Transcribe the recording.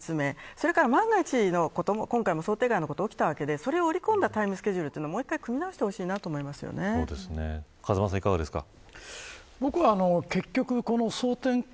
それから万が一のことも今回も想定外のことが起きたわけで、それを織り込んだタイムスケジュールをもう一回風間さん、いかがですか。